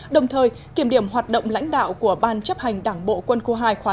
đồng thời kiểm điểm hoạt động lãnh đạo của ban chấp hành đảng bộ quân khu hai khóa chín